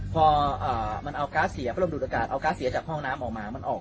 พอมันเอาก๊าซเสียพระลมดูดอากาศเอาก๊สเสียจากห้องน้ำออกมามันออก